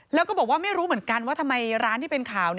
แล้วก็บอกว่าไม่รู้เหมือนกันว่าทำไมร้านที่เป็นข่าว